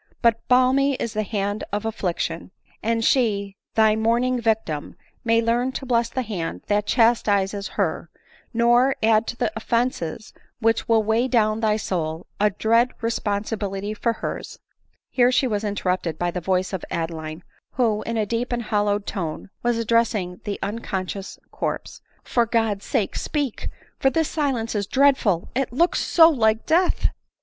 But balmy is the hand of affliction; and die, thy mourning victim, may learn to bless the hand that chastises her, nor add to the offences which will weigh down thy soul, a dread responsibility for hers!" Here she was interrupted by the voice of Adeline; who, in a deep and hollow tone, was addressing the un conscious corpse. " For God's sake, speak ! for this silence is dreadful — it looks so like death.